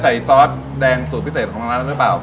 ใส่ซอสแดงตรูศิษย์พิเศษของร้านนะเปล่า